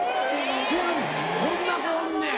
せやねんこんな子おんねん。